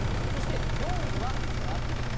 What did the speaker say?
そして４位は、夏日。